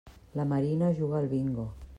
La Marina juga al bingo.